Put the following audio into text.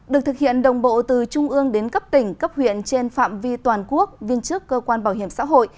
được thực hiện đồng bộ từ trung ương đến cấp tỉnh cấp huyện trên phạm vi toàn quốc viên chức cơ quan bảo hiểm xã hội